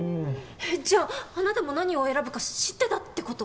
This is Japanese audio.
えっじゃああなたも何を選ぶか知ってたってこと？